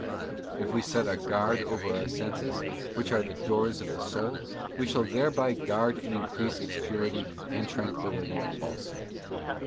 't If we set a guard over our senses, which are the doors of the soul, we shall thereby guard and increase its purity and tranquillity also.